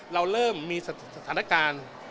เราเริ่มมีสถานการณ์